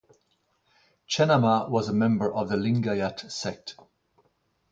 Chennamma was a member of the Lingayat sect.